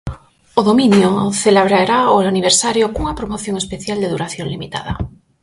O dominio celebrará o aniversario cunha promoción especial de duración limitada.